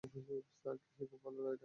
Sir, সে খুব ভালো রাইডার।